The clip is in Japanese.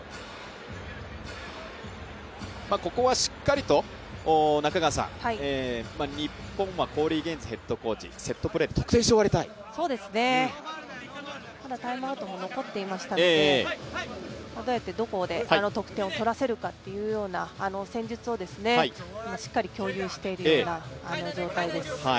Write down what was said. ここはしっかりと、日本はコーリー・ゲインズヘッドコーチ、セットプレー、得点して終わりたいまだタイムアウトも残っていましたのでどこで得点を取らせるかという戦術を今、しっかり共有しているような状態です。